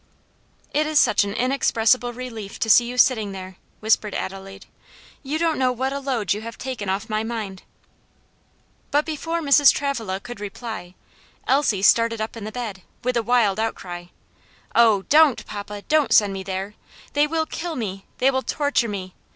"It is such an inexpressible relief to see you sitting there," whispered Adelaide. "You don't know what a load you have taken off my mind." But before Mrs. Travilla could reply, Elsie started up in the bed, with a wild outcry: "Oh, don't, papa! don't send me there! They will kill me! they will torture me!